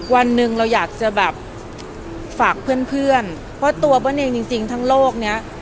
วันหนึ่งเราอยากจะแบบฝากเพื่อนเพื่อนเพราะตัวเปิ้ลเองจริงทั้งโลกเนี้ย